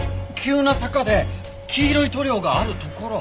急な坂で黄色い塗料がある所。